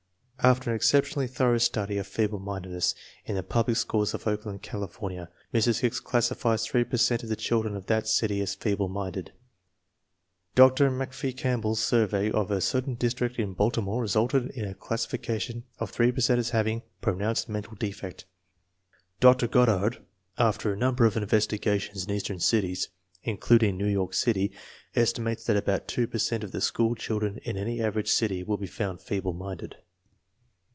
After an excep tionally thorough study of feeble mindedness in the public schools of Oakland, California, Mrs. Hicks classifies three per cent of the children of that city as feeble minded. Dr. Macfie Campbell's survey of a certain district in Baltimore resulted in a classifica tion of three per cent as having " pronounced mental defect." Dr. Goddard, after a number of investiga tions in eastern cities, including New York City, esti mates that about two per cent of the school children in any average city will be found feeble minded.